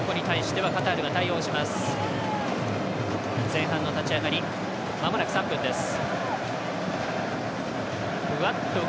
前半の立ち上がりまもなく３分です。